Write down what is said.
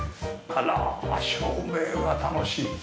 あら照明が楽しい。